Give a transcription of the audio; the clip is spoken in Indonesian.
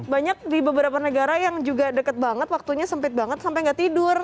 banyak di beberapa negara yang juga deket banget waktunya sempit banget sampai gak tidur